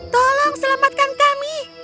tolong selamatkan kami